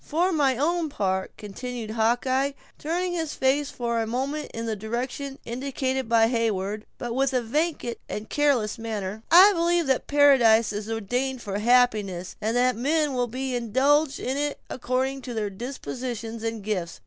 "For my own part," continued Hawkeye, turning his face for a moment in the direction indicated by Heyward, but with a vacant and careless manner, "I believe that paradise is ordained for happiness; and that men will be indulged in it according to their dispositions and gifts.